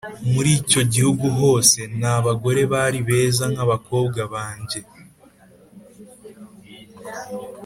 muri icyo gihugu hose nta bagore bari beza nk abakobwa ba njye